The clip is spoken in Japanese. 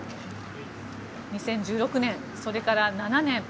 ２０１６年、それから７年。